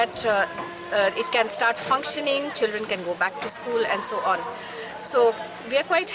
sehingga bisa berfungsi anak anak bisa kembali ke sekolah dan sebagainya